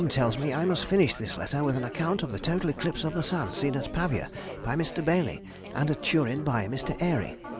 tells me I must finish this letter with an account of the total eclipse of the sun seen at Pavia by Mr. Baily, and at Turin by Mr. Airy.